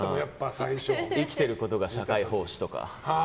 生きてることが社会奉仕とか。